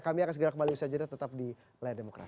kami akan segera kembali bersajar tetap di lain demokrasi